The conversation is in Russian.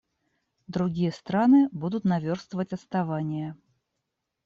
Другие страны будут наверстывать отставание.